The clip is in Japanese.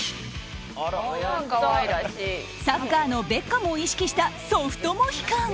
サッカーのベッカムを意識したソフトモヒカン。